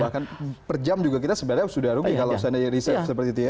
bahkan per jam juga kita sebenarnya sudah rugi kalau seandainya riset seperti itu ya